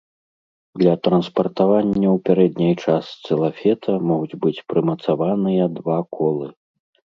Для транспартавання ў пярэдняй частцы лафета могуць быць прымацаваныя два колы.